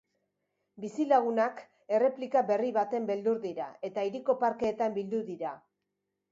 Bizilagunak erreplika berri baten beldur dira eta hiriko parkeetan bildu dira.